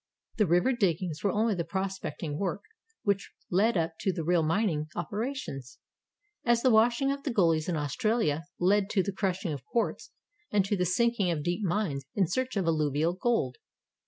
The river diggings were only the prospecting work which led up to the real mining operations, — as the washing of the gullies in Australia led to the crush ing of quartz and to the sinking of deep mines in search of alluvial gold.